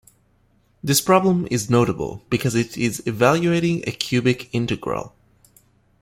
This problem is notable, because it is evaluating a cubic integral.